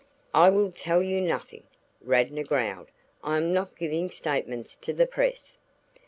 "I will tell you nothing," Radnor growled. "I am not giving statements to the press."